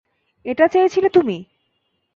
এটা চেয়েছিলে তুমিই!